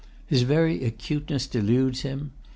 His very acuteness deludes him.